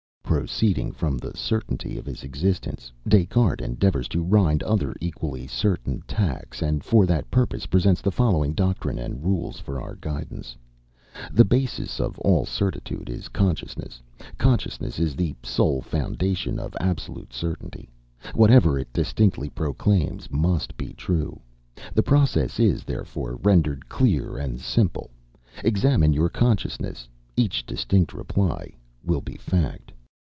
(Lewes's Bio. Hist. Phil.) Proceeding from the certainty of his existence, Des Cartes endeavors to rind other equally certain tacts, and for that purpose presents the following doctrine and rules for our guidance: The basis of all certitude is consciousness, consciousness is the sole foundation of absolute certainty, whatever it distinctly proclaims must be true. The process is, therefore, rendered clear and simple: examine your consciousness each distinct reply will be a fact.